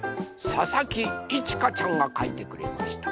ささきいちかちゃんがかいてくれました。